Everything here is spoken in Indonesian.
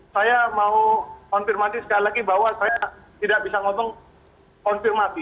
saya mau konfirmasi sekali lagi bahwa saya tidak bisa ngomong konfirmasi